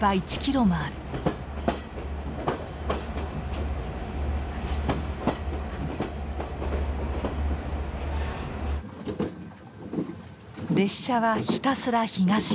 列車はひたすら東へ。